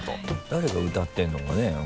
誰が歌ってるのかね？